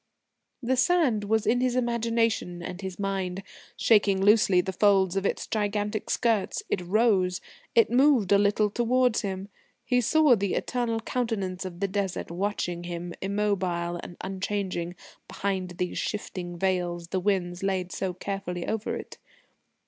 The sand was in his imagination and his mind. Shaking loosely the folds of its gigantic skirts, it rose; it moved a little towards him. He saw the eternal countenance of the Desert watching him immobile and unchanging behind these shifting veils the winds laid so carefully over it.